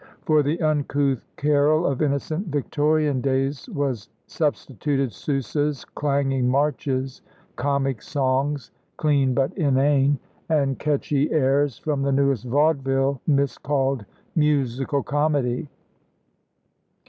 For the uncouth carol of innocent Victorian days was substituted Sousa's clanging marches, comic songs, clean but inane, and catchy airs from the newest vaudeville, miscalled musical comedy.